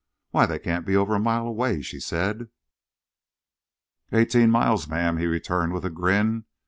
"Why, they can't be over a mile away!" she said. "Eighteen miles, ma'am," he returned, with a grin.